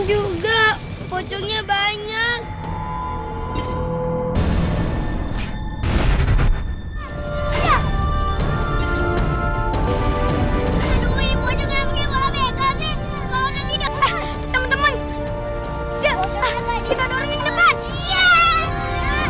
kalau tidak tidak apa apa